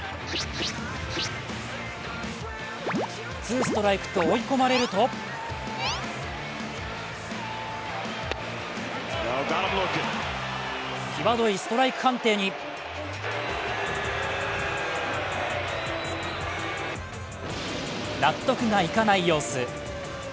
ツーストライクと追い込まれるときわどいストライク判定に納得がいかない様子。